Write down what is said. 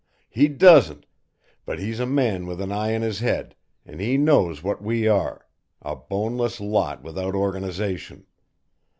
He doesn't, but he's a man with an eye in his head and he knows what we are, a boneless lot without organisation.